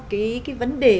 cái vấn đề